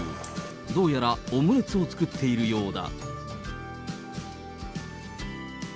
どうやらオムレツを作っているようだ。